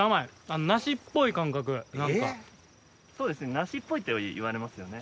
梨っぽいとは言われますよね。